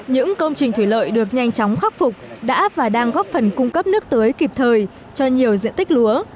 những công trình thủy lợi được nhanh chóng khắc phục đã và đang góp phần cung cấp nước tưới kịp thời cho nhiều diện tích lúa